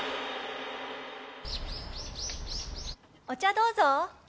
お茶どうぞ！